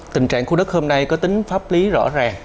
tình trạng khu đất hôm nay có tính pháp lý rõ ràng